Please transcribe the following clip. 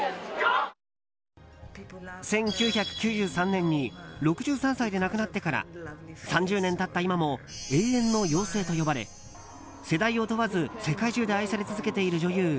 １９９３年に６３歳で亡くなってから３０年経った今も永遠の妖精と呼ばれ世代を問わず世界中で愛され続けている女優